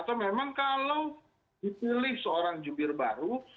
atau memang kalau dipilih seorang jubir baru